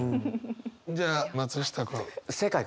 じゃあ松下君。